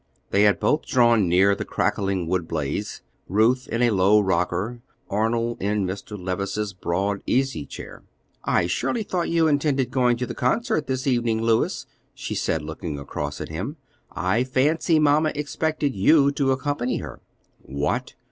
They had both drawn near the crackling wood blaze, Ruth in a low rocker, Arnold in Mr. Levice's broad easy chair. "I surely thought you intended going to the concert this evening, Louis," she said, looking across at him. "I fancy Mamma expected you to accompany her." "What!